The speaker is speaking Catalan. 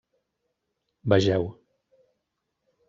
Vegeu: